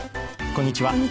こんにちは。